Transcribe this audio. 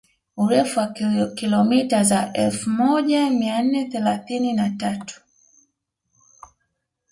Urefu wa kilomita za elfu moja mia nne thelathini na tatu